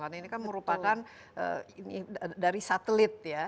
karena ini kan merupakan dari satelit ya